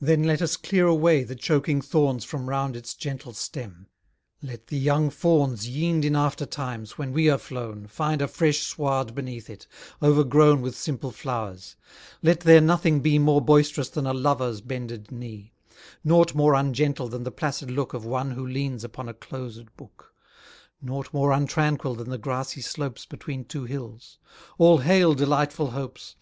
Then let us clear away the choaking thorns From round its gentle stem; let the young fawns, Yeaned in after times, when we are flown, Find a fresh sward beneath it, overgrown With simple flowers: let there nothing be More boisterous than a lover's bended knee; Nought more ungentle than the placid look Of one who leans upon a closed book; Nought more untranquil than the grassy slopes Between two hills. All hail delightful hopes!